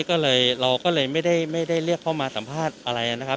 ก็เลยเราก็เลยไม่ได้เรียกเข้ามาสัมภาษณ์อะไรนะครับ